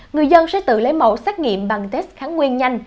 người dân sẽ tự lấy mẫu xét nghiệm bằng test kháng nguyên nhanh